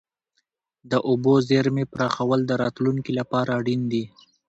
د اوبو زیرمې پراخول د راتلونکي لپاره اړین دي.